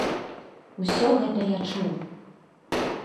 Усё гэта я чуў.